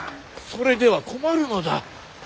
それでは困るのだ。